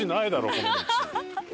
この道。